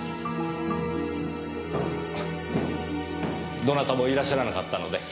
どなたもいらっしゃらなかったので。